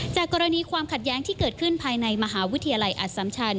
จากกรณีความขัดแย้งที่เกิดขึ้นภายในมหาวิทยาลัยอสัมชัน